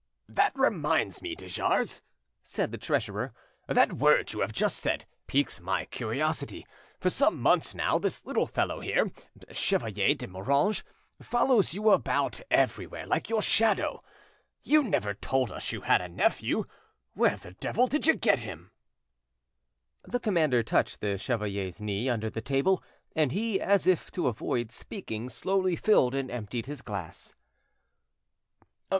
"That reminds me, de Jars!" said the treasurer, "that word you have just said piques my curiosity. For some months now this little fellow here, Chevalier de Moranges, follows you about everywhere like your shadow. You never told us you had a nephew. Where the devil did you get him?" The commander touched the chevalier's knee under the table, and he, as if to avoid speaking, slowly filled and emptied his glass.